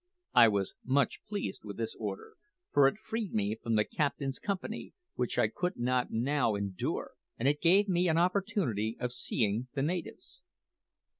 I was much pleased with this order, for it freed me from the captain's company, which I could not now endure, and it gave me an opportunity of seeing the natives.